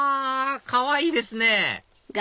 かわいいですね